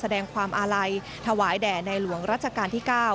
แสดงความอาลัยถวายแด่ในหลวงรัชกาลที่๙